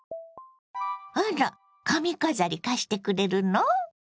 あら髪飾り貸してくれるの？